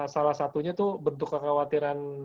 salah satunya itu bentuk kekhawatiran